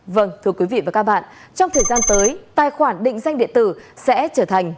vâng thưa quý vị và các bạn trong thời gian tới tài khoản định danh điện tử sẽ trở thành